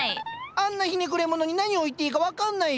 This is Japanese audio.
あんなひねくれ者に何を言っていいか分かんないよ。